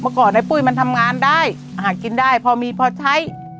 ก่อนไอ้ปุ้ยมันทำงานได้หากินได้พอมีพอใช้